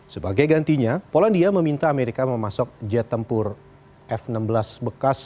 sebagai gantinya polandia meminta amerika memasuk jet tempur f enam belas bekas